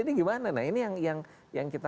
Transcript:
ini gimana nah ini yang kita